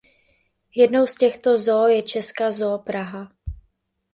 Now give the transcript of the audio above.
Jednou z těchto zoo je česká Zoo Praha.